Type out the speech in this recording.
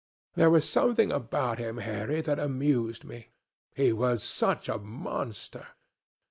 There was something about him, Harry, that amused me. He was such a monster.